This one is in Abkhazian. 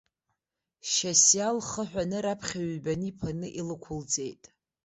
Шьасиа лхы ҳәаны, раԥхьа ҩбаны иԥаны илықәылҵеит.